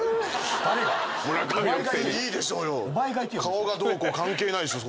顔がどうこう関係ないでしょ。